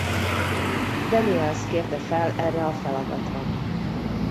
Daniels kérte fel erre a feladatra.